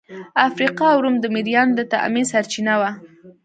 افریقا او روم د مریانو د تامین سرچینه وه.